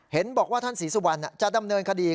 เห็นบอกว่าท่านศรีสุวรรณจะดำเนินคดี